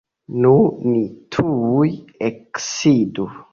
Nu, ni tuj eksidu.